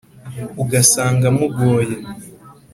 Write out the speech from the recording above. Ugasanga amugoye.